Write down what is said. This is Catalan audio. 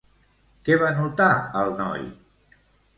Què va notar el noi?